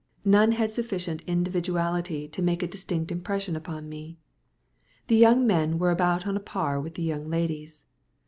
None had sufficient individuality to make a distinct impression upon me. The young men were about on a par with the young ladies.